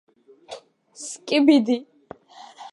სკიბიდი